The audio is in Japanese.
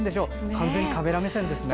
完全にカメラ目線ですね。